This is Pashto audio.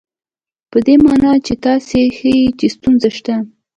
په دې مانا چې تاسې ښيئ چې ستونزه شته.